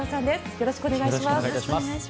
よろしくお願いします。